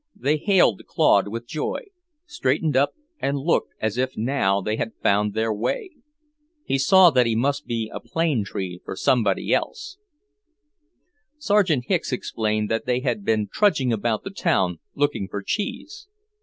They hailed Claude with joy, straightened up, and looked as if now they had found their way! He saw that he must be a plane tree for somebody else. Sergeant Hicks explained that they had been trudging about the town, looking for cheese.